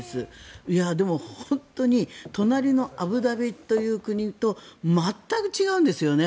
でも、本当に隣のアブダビというところと全く違うんですね。